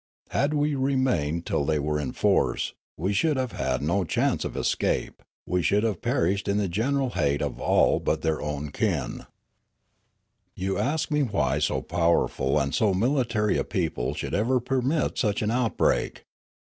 Had we remained till they were in force, we should have had no chance of escape ; we should have per ished in the general hate of all but their own kin. 39^ Riallaro " You ask me whj^ so powerful and so military a people should ever permit such an outbreak.